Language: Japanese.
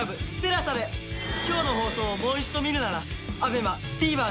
今日の放送をもう一度見るならＡＢＥＭＡＴＶｅｒで。